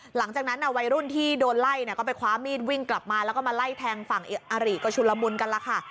หลังจากนั้นวัยรุ่นที่โดนไล่ก็ไปคว้ามีดวิ่งกลับมาแล้วก็มาไล่แทงฝั่งอาริก็ชุลมุนกันแล้วค่ะ